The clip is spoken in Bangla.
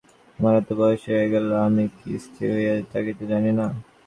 আমার এত বয়স হইয়া গেল, আমি কি স্থির হইয়া থাকিতে জানি না?